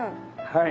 はい。